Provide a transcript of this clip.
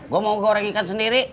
gue mau goreng ikan sendiri